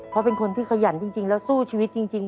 เพราะเป็นคนที่ขยันจริงแล้วสู้ชีวิตจริง